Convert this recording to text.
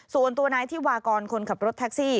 ส่วนตัวนายธิวากรคนขับรถแท็กซี่